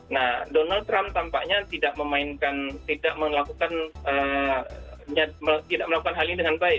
nah donald trump tampaknya tidak memainkan tidak melakukan hal ini dengan baik